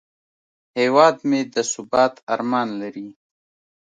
هیواد مې د ثبات ارمان لري